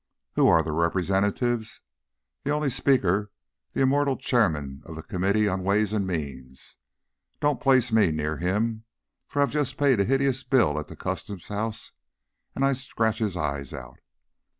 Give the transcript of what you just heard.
Who are the Representatives? The only Speaker, the immortal Chairman of the Committee on Ways and Means don't place me near him, for I've just paid a hideous bill at the Custom House and I'd scratch his eyes out.